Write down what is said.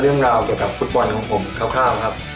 เรื่องราวเกี่ยวกับฟุตบอลของผมคร่าวครับ